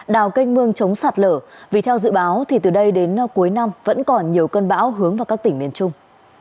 đào kênh mương chống sạt lở vì theo dự báo thì từ đây đến cuối năm vẫn còn nhiều cơn bão hướng vào các tỉnh miền trung